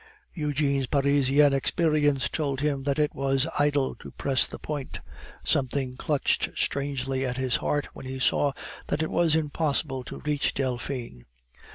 Eugene's Parisian experience told him that it was idle to press the point. Something clutched strangely at his heart when he saw that it was impossible to reach Delphine.